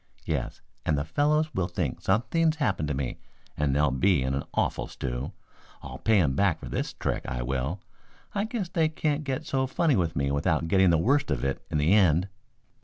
Yes, and the fellows will think something's happened to me and they'll be in an awful stew. I'll pay 'em back for this trick, I will. I guess they can't get so funny with me without getting the worst of it in the end."